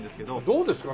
どうですか？